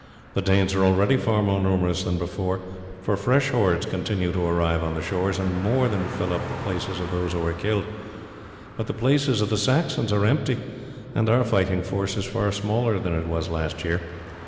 The Danes are already far more numerous than before, for fresh hordes continue to arrive on the shores, and more than fill up the places of those who are killed; but the places of the Saxons are empty, and our fighting force is far smaller than it was last year.